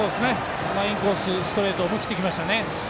インコース、ストレート思い切っていきましたね。